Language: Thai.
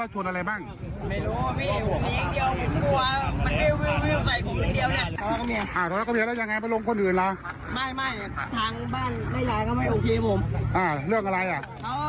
จริงเขาไล่ผมหนูหนีอ่ะเธอพี่ขอขอโทษ